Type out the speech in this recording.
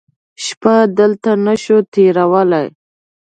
شپه دلته نه شو تېرولی.